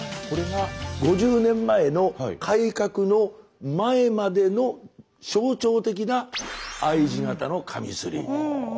これが５０年前の改革の前までの象徴的なＩ字型のカミソリ。